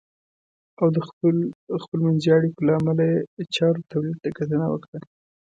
او د خپلمنځي اړیکو له امله یې د چارو تولید ته کتنه وکړه .